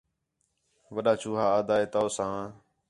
وݙّا چوہا آہدا ہِے تو ساں